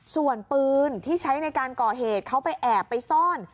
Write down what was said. ส่วนปืนที่ใช้ในการก่อเหตุเขาไปแอบไปซ่อน